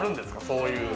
そういう。